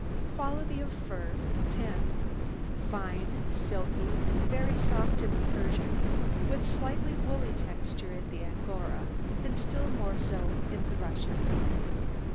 QUALITY OF FUR 10 Fine, silky, and very soft in the Persian, with slightly woolly texture in the Angora, and still more so in the Russian.